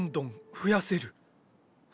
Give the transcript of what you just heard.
増やせる？